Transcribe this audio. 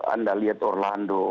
anda lihat di